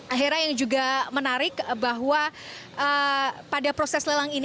akhirnya yang juga menarik bahwa pada proses lelang ini